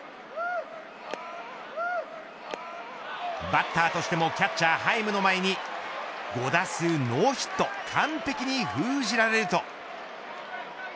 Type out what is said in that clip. バッターとしてもキャッチャー、ハイムの前に５打数ノーヒットで完璧に封じられると。